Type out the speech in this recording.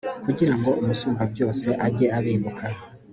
kugira ngo umusumbabyose ajye abibuka